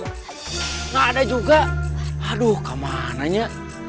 tidak ada juga aduh kemananya